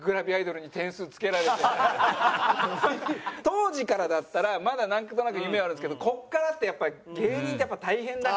当時からだったらまだなんとなく夢はあるんですけどここからってやっぱり芸人って大変だから。